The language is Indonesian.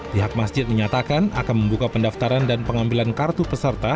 pihak masjid menyatakan akan membuka pendaftaran dan pengambilan kartu peserta